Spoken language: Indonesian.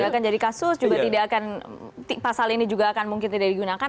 tidak akan jadi kasus juga tidak akan pasal ini juga akan mungkin tidak digunakan